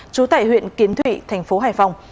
chú tại huyện kiến thụy thành phố hải phòng